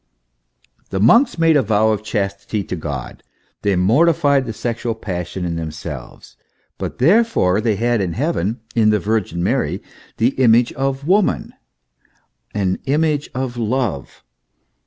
The monks made a vow of chastity to God ; they morti fied the sexual passion in themselves, but therefore they had in Heaven, in the Virgin Mary, the image of woman an image of love.